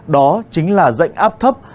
đó chính là dạnh áp thấp